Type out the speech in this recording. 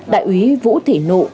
đại úy vũ thị nụ